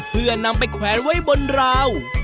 เพื่อนำไปแขวนไว้บนราว